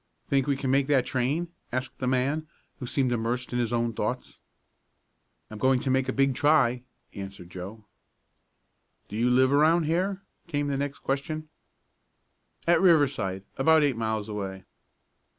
"Think we can make that train?" asked the man, who seemed immersed in his own thoughts. "I'm going to make a big try," answered Joe. "Do you live around here?" came the next question. "At Riverside about eight miles away."